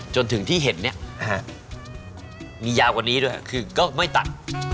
จนถึงที่เห็นเนี่ยมียาวกว่านี้ด้วยคือก็ไม่ตัด